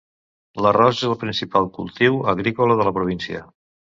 L'arròs és el principal cultiu agrícola de la província.